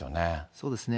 そうですね。